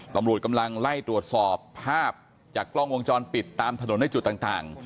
ตำรวจกำลังไล่ตรวจสอบภาพจากกล้องวงจรปิดตามถนนในจุดต่าง